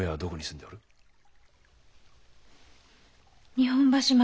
日本橋槙